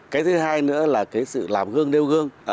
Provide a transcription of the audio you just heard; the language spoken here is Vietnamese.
cái thứ hai nữa là cái sự làm gương nêu gương